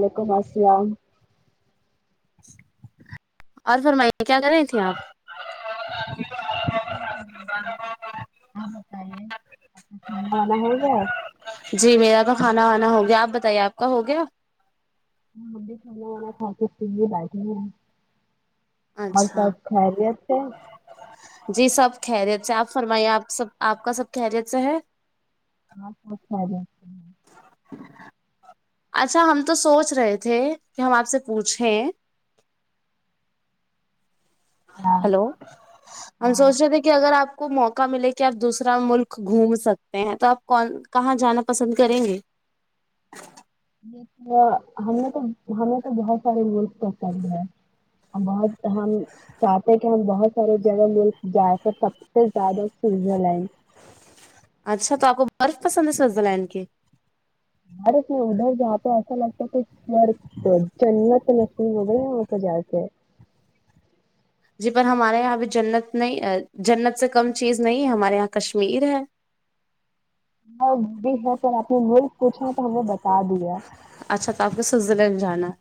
وعلیکم السلام اور فرمائیے کیا کر رہی تھے آپ کچھ ے اپنا کھانا وانا ہو گیا جی میرا تو کھانا وانا ہو گیا آپ بتائیے آپ کا ہو گیا ہاں [unintelligible] ہم بھی کہہ لوکا والا تھا کہ تم بھی بیٹھے ہیں اور اچھا سب خیریت سے جی سب خیریت سے آپ فرمائیے آپ سب آپ کا سب خیریت سے ہے ہا سب خیریت سے ہیں اچھا ہم تو سوچ رہے تھے کہ ہم آپ سے پوچھیں ہاں ہلو ہم ہاں سوچ رہے تھے کہ اگر آپ کو موقع ملے کہ آپ دوسرا ملک گھوم سکتے ہیں تو آپ کون کہاں جانا پسند کریں گے ہم نے تو ہمیں تو بہت سارے مول [unintelligible] بہت ہم چاہتے ہیں کہ ہم بہت سارے جگہ ملک جائے کر سب سے زیادہ سوئزرلینڈ اچھا تو آپ کو برف پسند ہے سویزر لینڈ کے بارت میں ادھر جا پ ایسا لگتا ہے کہ س جنت نصی ہو گئی ہے وہ پہ جا کے جی پر ہمارے یہاں ا بھی جنت نہیں جنت سے کم چیز نہیں ہے ہمارے یہاں کشمیر ہے [unintelligible] پوچھا تو ہمیں بتا دیا اچھا تو آپ کو سوئزرلینڈ جانا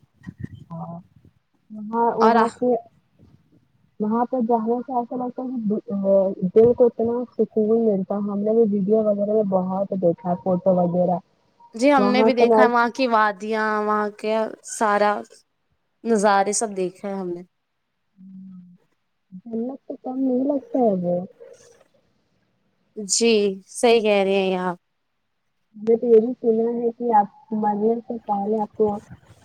ہاں وہ ہے، اور وہ کے وہاں پہ جانے سے ایسا لگتا ہے کہ دل کو اتنا سکون ملتا ہم نے بھی ویڈیو وغیرہ بھی بہت دیکھا ہے فوٹو وغیرہ جی ہم نے وہاں بھی کا نا- دیکھا ہے وہاں کی وادیاں وہاں کے سارا نظارے سب دیکھے ہیں ہم نے [unintelligible] جی صحیح کہہ رہے ہیں آپ [unintelligible] م تو یہ بھی سننا ہے کہ آپ م پہلے آپ کو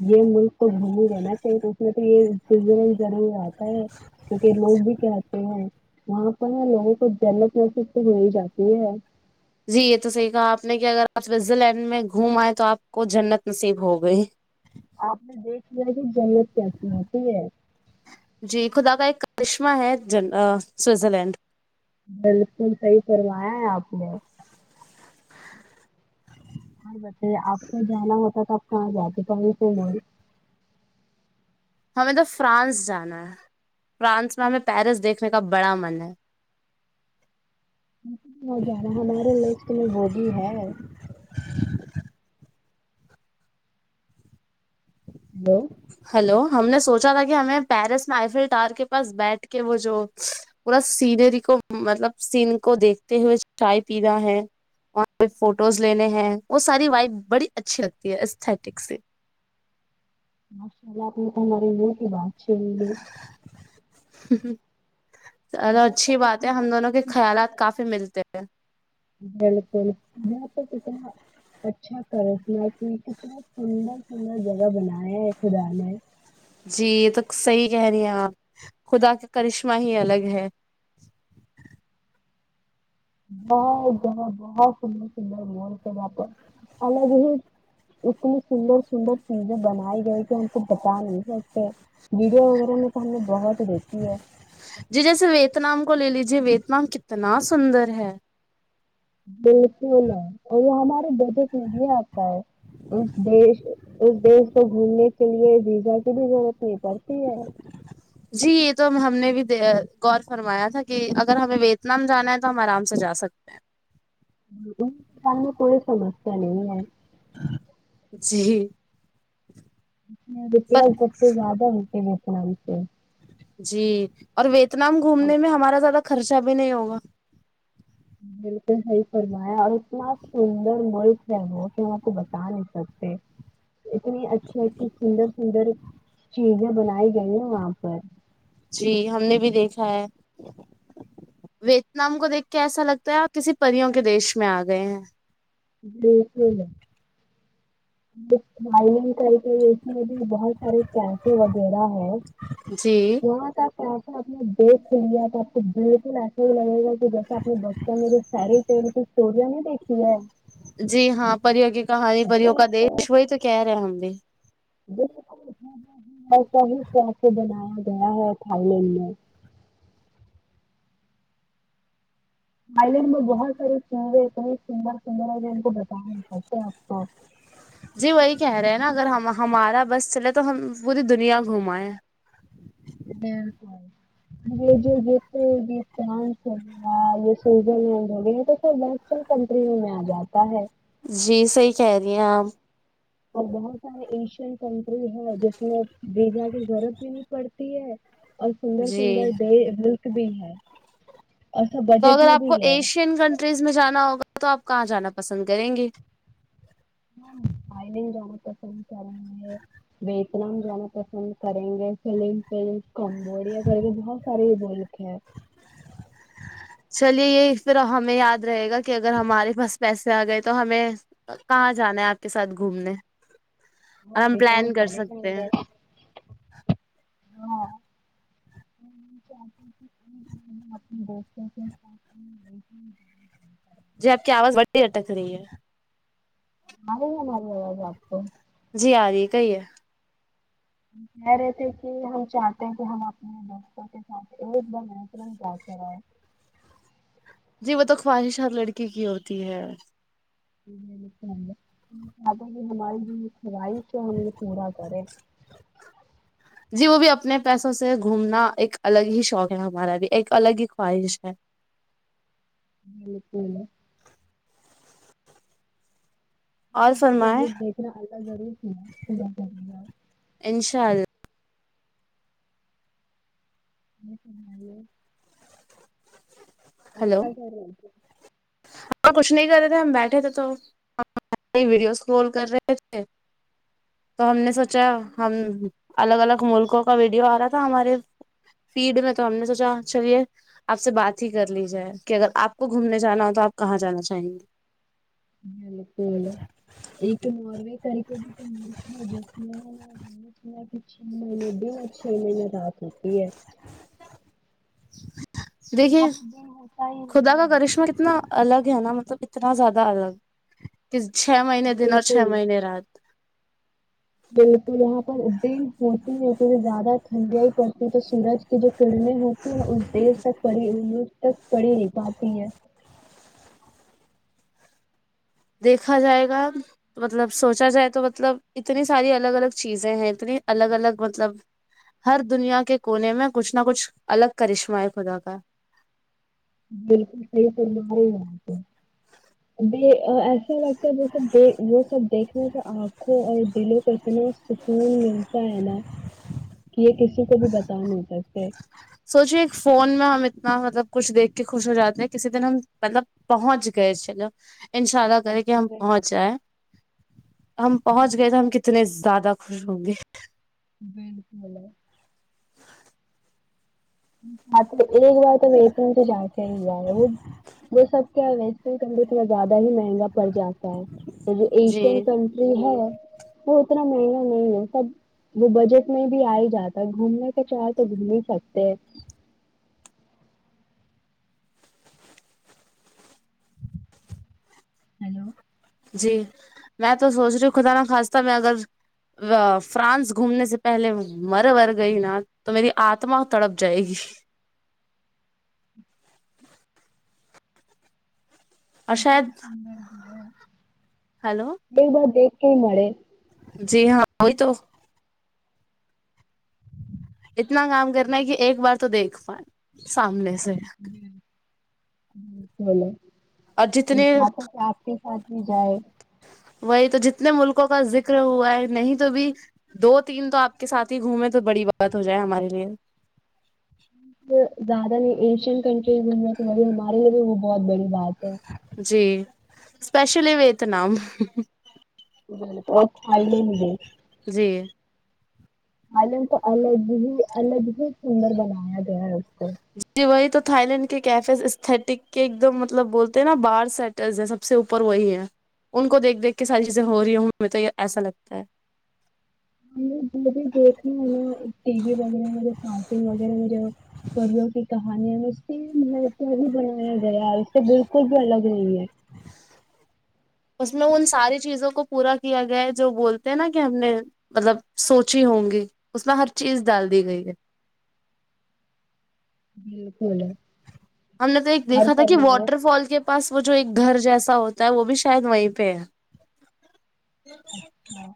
یہ ملک کو گھوم لینا چاہیے تو اس میں تو یہ سزنے [unintelligible] ضوریات کیونکہ لوگ بھی کہتے ہیں وہاں پر لوگوں کو جنت محصب تو ہو ہی جاتی ہے جی یہ تو صحیح کہا آپ نے کہ اگر آپ سوٹزر لینڈ میں گھوم آئے تو آپ کو جنت نصیب ہو گئی آپ نے دیکھ لیا کہ جنت کیاسی ہے ٹھیک ہے جی خدا کا ایک کرشمہ ہے جن سوئٹزرلینڈ بالکل صحیح فرمایا ہے اپ نے اور بتائی آپ کو جانا ہوتا تھا ہاں جاتات پ سے ہمیں تو فرانس جانا ہے فرانس میں ہمیں پیرس دیکھنے کا بڑا من ہے ہو جانا ہمارے لت میں ہوگ بھی ہے ہ [unintelligible] ہلو ہم نے سوچا تھا کہ ہمیں پیرس میں آئیفل ٹار کے پاس بیٹھ کے وہ جو پورا سینری کو مطلب سین کو دیکھتے ہوئے چائے پینا ہے وہاں پہ فوٹوز لینے ہیں وہ ساری وائ بڑی اچھی لگتی ہے اسھیٹک سے ماشاء اللہ آ نے تو ہماریے م کی بات چ گی ہ ہ خیالات کافی ملتے ہیں بالکل اچھا کرسنا کتنا سندر سندر جگہ بنایا ہے خدا نے جی یہ تو صحی کہہ رہی ہیں آپ خدا کا کرشمہ ہی الگ ہے بہت زدہ بہت سندر سندر مول تھ یہاں پر الگ ہی اتنی سندر سندر چیزیں بنائی گئی کہ ہم کو بتا نہیں سکتے ویڈیو وغیرہ میں تو ہم نے بہت دیکھی ہے جی جیسے ویت نام کو لے لیجے ویت نام کتنا سندر ہے بالکل ہے اور وہ ہمارے بجٹ میں بھی آتا ہے اس دیش اس دیش کو گھومنے کے لیے ویزا کی بھی ضرورت نہیں پڑتی ہے جی یہ تو ہم نے بھی غور فرمایا تھا کہ اگر ہمیں ویت نام جانا ہے تو ہم آرام سے جا سکتے ہیں ان تو گ میں تھوڑی سمسیا نہیں ہے جی ا پر پیاز سب سے زیادہ ہوتے ام سے جی اور ویت نام گھومنے میں ہمارا زیادہ خرچہ بھی نہیں ہوگا بالکل صحیح فرمایا اور اتنا سندر ملک ہے وہ کہ وہ کو بتا نہیں سکتے اتنی اچھی اچھی سندر سندر چیزیں بنائی گئی ہیں وہاں پر جی ہم نے بھی دیکھا ہے ویتنام کو دیکھ کے ایسا لگتا ہے آپ کسی پریوں کے دیش میں آ گئے ہیں [unintelligible] طریق اس میں بھی بہت سارے کیفے وغیرہ ہے جی وہاں تک تو ایسا آپ نے دیکھ لیا آپ کو د ایسا ہی لگے گا کہ جیسا اپنے بچوں میں سیری پھر ت اسٹووریا نے دیکھی ہے جی ہاں پریوں کی کہانی پریوں کا دیش وہی تو کہہ رہے ہیں ہم بھی بالک ایسا بھی طپ کو بنایا گیا ہے تھائی لینڈ میں آائی لینڈ میں بہت سارے سنے اتنے سندر سندر ہیں جو ان کو بتا چتے آپ کو جی وہی کہہ رہے ہیں نا اگر ہم ہمارا بس چلے تو ہم پوری دنیا گھمائیں بالکل یہ جو یہ یہ فرانس ہو گیا یہ سوئزرلینڈ ہو گیا یہ تو سب ویسٹرن کنٹریوں میں آ جاتا ہے جی صحی کہہ رہی ہیں آپ اور بہت سارے ایشین کنٹری ہے جس میں دڈیا کی ضرورت بھی نہیں پڑتی ہے اور سندر جی سندر د ملک بھی ہے اور سب تو بجٹ اگر میں آپ بھی کو ہے ایشین کنٹریز میں جانا ہوگا تو آپ کو کہاں جانا پسند کریں گے ہاں آین جانا پسند کریں گے ویتنام جانا پسند کریں گے فلیم کمبوڑیا کہے بہت سے بولے چلیے یہ پھر ہمیں یاد رہے گا کہ اگر ہمارے پاس پیسے آ گئے تو ہمیں کہاں جانا ہے آپ کے ساتھ گھومنے ہ اور ہم یہ طرام پلان کر سارے چیں سکتے ہیں گے ہاں جی آپ کی آواز بڑی اٹک رہی ہے مارے میں مارے آاز آپ کو جی آ رہی ہے کہی ہے کہہ رہے تھے کہ ہم چاہتے ہیں کہ ہم اپنے دوستوں کے ساتھ ایک دم ایکترن جا کے رہئے جی وہ تو خواہش ہر لڑکی کی ہوتی ہے کہ ہماری جو خوائش ہے ہم یہ پورا کریں جی وہ بھی اپنے پیسوں سے گھومنا ایک الگ ہی شوق ہے ہمارا بھی ایک الگ ہی خواہش ہے ل ل پل [unintelligible] اور فرمائیں دیکھنا اللہ ضرور کیاا کرے انشاء اللہ نہیں سناے آپ ہلو کیا ہم کچھ نہیں کر رہے تھے ہم بیٹھے تھے تو ویڈیوز کال کر رہے تھے تو ہم نے سوچا ہم الگ الگ ملکوں کا ویڈیو آ رہا تھا ہمارے فیلڈ میں تو ہم نے سوچا چلیے آپ سے بات ہی کر لیج جائے کہ اگر آپ کو گھومنے جانا ہو تو آپ کہاں جانا چاہیں گے بالکل ایک نارو کر کے بھی تو جس کہ چھ مہینے بھی اور چھ مہینے رات ہوتی ہے دیکھیے وہاں پر دن ہوتا ہی خدا نہیں کا کرشمہ کتنا الگ ہے نا مطلب اتنا زیادہ الگ چھ مہینے ہے دن اور چھ مہنے رات بالک یہاں پردین ہوتی ہے کیونہ زیادہ ٹھنڈیا ہی پڑتی ہے تو سورج کی جو کرنیں ہوتی ہیں اس دش تک پڑی تک پڑی نہیں پاتی ہے دیکھا جائے گا مطلب سوچا جائے تو مطلب اتنی ساری الگ الگ چیزیں ہیں اتنی الگ الگ مطلب ہر دنیا کے کونے میں کچھ نہ کچھ الگ کرشمہ ہے خدا کا بالکل صحیح ف ایسا لگتا ہے سب د وہ سب دیکھنے کے آنکھوں اور دلوں کو اتنے سکون مل تو ہے نا یہ کسی کو بھی بتا نہیں سکتے ہاں مطلب کچھ دیکھ کے خوش ہو جاتے ہیں کسی دن ہم مطلب پہنچ گئے چلو انشء اللہ کرے کے اصل ہم میں۔ پہنچ جائ ہم پہنچ گئے تو ہم کتنے زیادہ خوش ہوں گے ابک مل ایک بار تو ویسرن تو جا کے ہی ہے وہ وہ سب کیا ویسٹرن ک بھی تھوڑا زیادہ ہی مہنگا پڑ جاتا ہے یہ جو جی ایشین کنٹری ہے وہ اتنا مہنگا نہیں ہے سب وہ بجٹ میں بھی آ ہی جاتا ہے گھومنے کے چہ تو گھوم ہی سکتے ہیں ہیلو جی میں تو سوچ رہی ہ خدا ن خواستہ میں اگر فرانس گھومنے سے پہلے مر مر گئی نا تو میری آتما تڑپ جائے گی اور ا شاید سمل ہلو ایک بار دیکھ یہ مے جی ہاں وہی تو اتنا کام کرنا ہے کہ ایک بار تو دیکھ پائ سامنے سے ج اور جتنے بولےپ آپ کے پدی جائے وہی تو جتنے ملکوں کا ذکر ہوا ہے نہیں تو بھی دو تین تو آپ کے ساتھ ہی گھومے تو بڑی بات ہو جائے ہمارے لیے زیادہ نہیں ایشین کنٹریز میں ہمارے لیے بھی وہ بہت بڑی بات ہے اسپشلی وتناام تو کوائی لے نہیں بھی جی عالم کو الگ ہی الگ ہی سندر بنایا گیا ہے اس کو ہم جی وہی تو تھائی لینڈ کے کیفے اسٹک کے ایک دم مطلب بولتے ہیں نا بارر سیٹرز ہیں سب سے اوپر وہی ہے ان کو دیکھ دیکھ کے ساری چیزیں ہو رہی ہوں میں تو یہ ایسا لگتا ہے جب بھی دیکھ رہے ہیں نا ٹی وی بن رہی ہیں م جو سارٹن وغیرے ہیں جو پریوں کی کانیا میں اس کے مطلب ات ہی بنایا در اس سے بالکل بھی الگ نہیں ہے اس میں ان ساری چیزوں کو پورا کیا گیا ہے جو بولتے ہیں نا کہ ہم نے مطلب سوچی ہوں گی اس میں ہر چیز ڈال دی گئی ہے بالکل ہم نے تو ایک اور دیکھا تھا کہ فرمایا واٹر فال کے پاس وہ جو ایک گھر جیسا ہوتا ہے وہ بھی شاید وہیں پہ ہے اچھا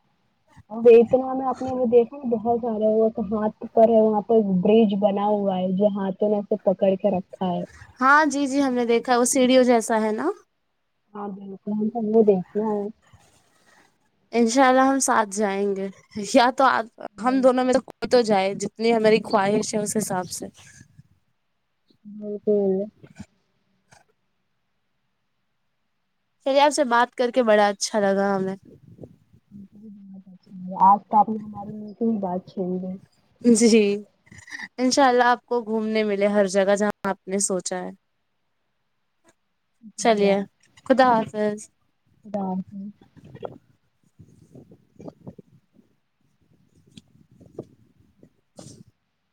اور اتنا میں آپ نے وہ دیکھا بہت سارا ہاتھ پر ہے وہاں پ برج بنا ہوا ہے جو ہاتھوں نے اسے پکڑ کے رکھ ہاں جی جی ہم نے دیکھا وہ سیڑیو جیسا ہے نا ہاں بالکل ہم تو وہ د انشاء اللہ ہم ساتھ جائیں گے یا تو تو ہم دونوں بالکل میں تو کوئی تو جائے اتنی ہماری خواہش ہے اس حساب سے ج [unintelligible] پل [unintelligible] پری آپ سے بات کر کے بڑا اچھا لگا ہمیں ہم بھی ب [inaudible] آج کا آ نے ہمارے نیے سے ہی بات کھیے [unintelligible] جی انشاء اللہ آپ کو گھومنے ملے ہر جگہ جہاں آپ نے سوچا ہے چلیے خدا بس [unintelligible] اام ہ [unintelligible] [inaudible]